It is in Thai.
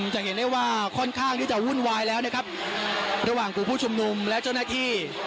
จะเห็นได้ว่าค่อนข้างที่จะวุ่นวายแล้วนะครับระหว่างกลุ่มผู้ชุมนุมและเจ้าหน้าที่